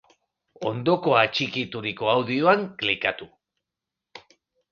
Ondoko atxikituriko audioan klikatu!